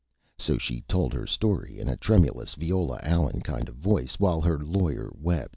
So she told her Story in a Tremulous, Viola Allen kind of Voice, while her Lawyer wept.